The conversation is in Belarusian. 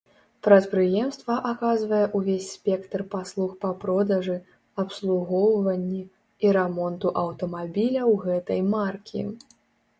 Прадпрыемства аказвае ўвесь спектр паслуг па продажы, абслугоўванні і рамонту аўтамабіляў гэтай маркі.